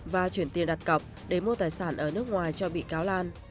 và chuyển tiền đặt cọc để mua tài sản ở nước ngoài cho bị cáo lan